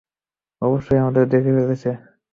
অবশ্যই আমাদেরকে দেখে ফেলেছে।